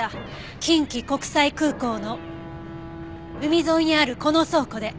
近畿国際空港の海沿いにあるこの倉庫で。